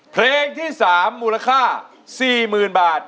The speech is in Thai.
เพลงที่๓มูลค่า๔๐๐๐บาท